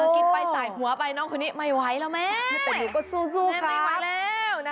กินไปใส่หัวไปน้องคนนี้ไม่ไหวไม่กดซู่ซู่ไม่ไหวแล้ว